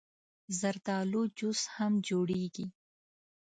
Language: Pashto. زردالو جوس هم جوړېږي.